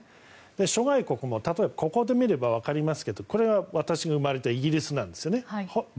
諸外国も例えばここで見ればわかりますがこれは私が生まれたイギリスなんですよね。